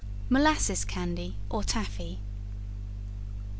Molasses Candy or Taffy.